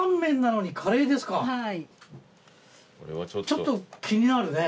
ちょっと気になるね。